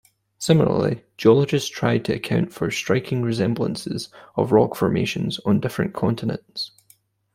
Similarly, geologists tried to account for striking resemblances of rock formations on different continents.